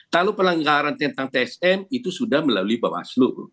kalau pelanggaran tentang tsm itu sudah melalui bawaslu